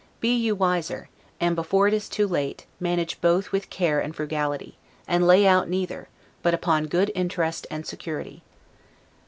Be you wiser, and, before it is too late, manage both with care and frugality; and lay out neither, but upon good interest and security.